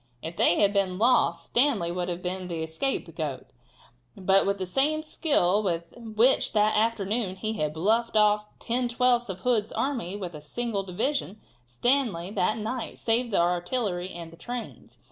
If they had been lost Stanley would have been the scapegoat, but with the same skill with which that afternoon he had bluffed off ten twelfths of Hood's army with a single division, Stanley that night saved the artillery and the trains.